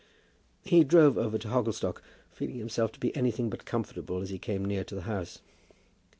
He drove over to Hogglestock, feeling himself to be anything but comfortable as he came near to the house.